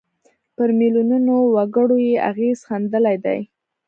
پر میلیونونو وګړو یې اغېز ښندلی دی.